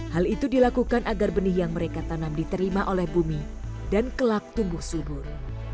hal itu dilakukan agar benih yang mereka tanam diterima oleh bumi dan kelak tumbuh subur